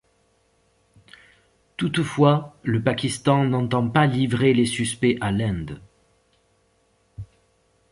Toutefois, le Pakistan n'entend pas livrer les suspects à l'Inde.